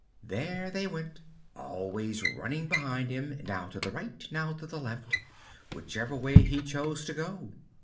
There they went, always running behind him, now to the right, now to the left, whichever way he chose to go.